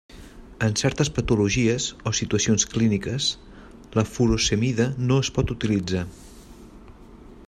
En certes patologies o situacions clíniques la furosemida no es pot utilitzar.